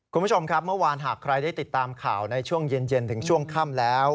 คุณผู้ชมครับเมื่อวานหากใครได้ติดตามข่าวในช่วงเย็นถึงช่วงค่ำแล้ว